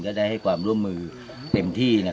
ได้ให้ความร่วมมือเต็มที่